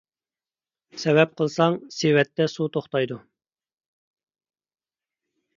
سەۋەب قىلساڭ سېۋەتتە سۇ توختايدۇ.